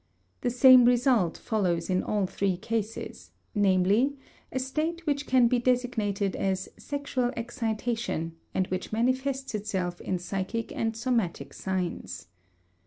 The same result follows in all three cases, namely, a state which can be designated as "sexual excitation" and which manifests itself in psychic and somatic signs.